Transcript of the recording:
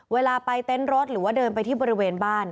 เวลาไปเต็นต์รถหรือว่าเดินไปที่บริเวณบ้าน